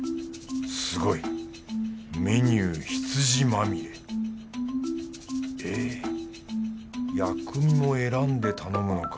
すごい。メニュー羊まみれ。へ薬味も選んで頼むのか。